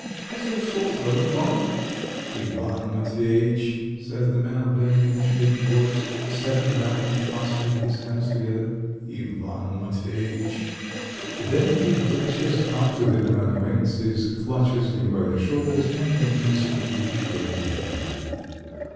"Has your sore throat gone?" "Ivan Matveyitch," says the man of learning in a shaking voice, stepping back and clasping his hands together. "Ivan Matveyitch." Then he dashes up to the amanuensis, clutches him by the shoulders, and begins feebly shaking him.